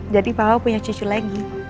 jadi papa punya cucu lagi